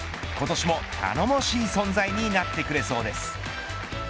今年も頼もしい存在になってくれそうです。